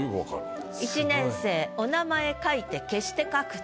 「一年生おなまえ書いて消して書く」と。